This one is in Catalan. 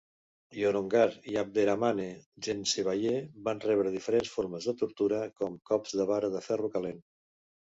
Yorongar i Abderhamane Djesnebaye van rebre diferents formes de tortura, com cops de vara de ferro calent.